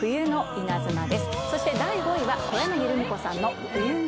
そして第５位は。